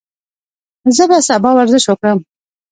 زه به سبا ورزش وکړم.